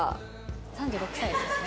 ３６歳ですよね？